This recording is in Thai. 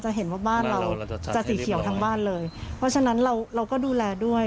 เห็นว่าบ้านเราจะสีเขียวทั้งบ้านเลยเพราะฉะนั้นเราเราก็ดูแลด้วย